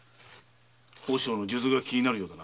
和尚の数珠が気になるようだな？